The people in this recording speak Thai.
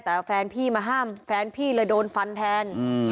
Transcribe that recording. แต่แฟนพี่มาห้ามแฟนพี่เลยโดนฟันแทน